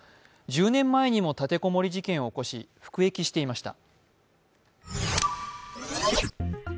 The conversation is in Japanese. １０年前にも立て籠もり事件を起こし服役していました。